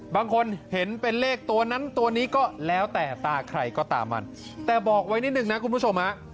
บางคนเห็นเป็นเลขตัวนั้นตัวนี้ก็แล้วแต่ตาใครก็ตามมันแต่บอกไว้นิดนึงนะคุณผู้ชมฮะ